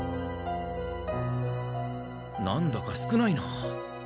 なんだか少ないな。